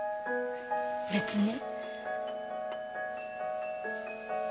別に。